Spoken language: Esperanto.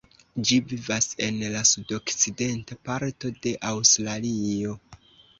Ĝi vivas en la sudokcidenta parto de Aŭstralio.